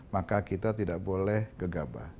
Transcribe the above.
maka kita tidak boleh gegabah